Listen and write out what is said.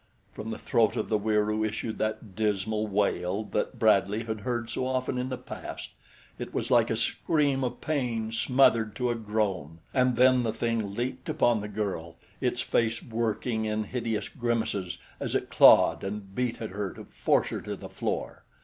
From the throat of the Wieroo issued that dismal wail that Bradley had heard so often in the past it was like a scream of pain smothered to a groan and then the thing leaped upon the girl, its face working in hideous grimaces as it clawed and beat at her to force her to the floor.